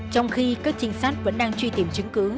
trong khi các trinh sát vẫn đang truy tìm chứng cứ